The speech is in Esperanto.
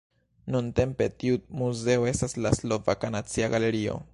Nuntempe tiu muzeo estas la Slovaka Nacia Galerio.